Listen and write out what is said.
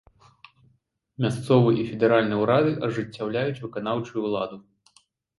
Мясцовы і федэральны ўрады ажыццяўляюць выканаўчую ўладу.